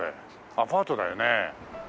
アパートだよね？